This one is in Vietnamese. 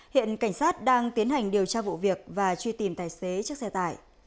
hiện cảnh sát đang tiến hành điều tra vụ việc và truy tìm tài xế chiếc xe tải